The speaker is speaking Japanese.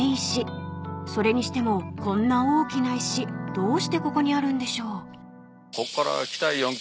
［それにしてもこんな大きな石どうしてここにあるんでしょう］